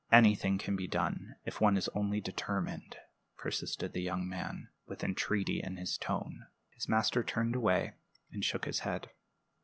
"Anything can be done if one is only determined," persisted the young man, with entreaty in his tone. His master turned away and shook his head.